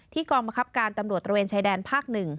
กองบังคับการตำรวจตระเวนชายแดนภาค๑